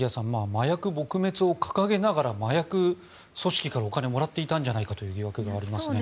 麻薬撲滅を掲げながら麻薬組織からお金をもらっていたんじゃないかという疑惑がありますね。